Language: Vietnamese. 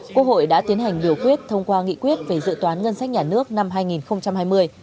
quốc hội đã tiến hành biểu quyết thông qua nghị quyết về dự toán ngân sách nhà nước năm hai nghìn hai mươi